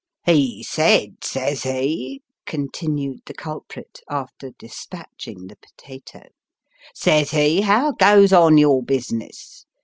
"He said, says he," continued the culprit, after despatching the potato ;" says he, how goes on your business